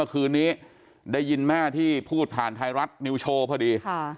คืนนี้ได้ยินแม่ที่พูดผ่านไทยรัฐนิวโชว์พอดี